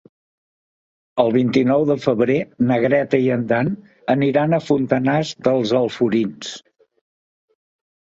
El vint-i-nou de febrer na Greta i en Dan aniran a Fontanars dels Alforins.